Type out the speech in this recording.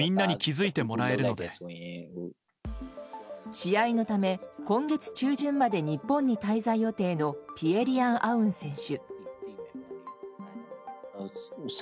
試合のため今月中旬まで日本に滞在予定のピエ・リアン・アウン選手。